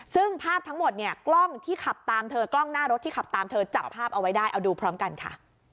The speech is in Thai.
ซึ่งภาพทั้งหมดเนี่ยกล้องที่ขับตามเธอกล้องหน้ารถที่ขับตามเธอจับภาพเอาไว้ได้เอาดูพร้อมกันค่ะ